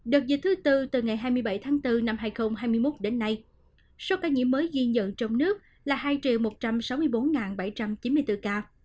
đợt dịch thứ tư từ ngày hai mươi bảy tháng bốn năm hai nghìn hai mươi một đến nay số ca nhiễm mới ghi nhận trong nước là hai một trăm sáu mươi bốn bảy trăm chín mươi bốn ca